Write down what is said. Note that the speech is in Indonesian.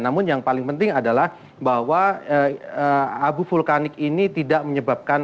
namun yang paling penting adalah bahwa abu vulkanik ini tidak menyebabkan